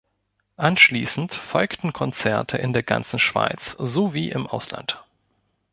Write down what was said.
Anschliessend folgten Konzerte in der ganzen Schweiz sowie im Ausland.